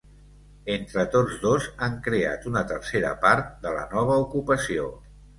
Entre tots dos han creat una tercera part de la nova ocupació.